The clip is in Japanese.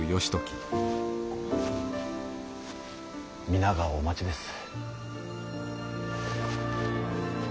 皆がお待ちです。